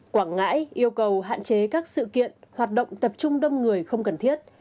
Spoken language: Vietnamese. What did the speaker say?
quảng ngãi yêu cầu hạn chế các sự kiện hoạt động tập trung đông người không cần thiết